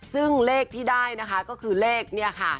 ซึ่งเลขที่ได้นะคะก็คือเลขเนี่ยค่ะ